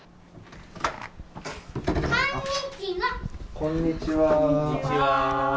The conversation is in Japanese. こんにちは。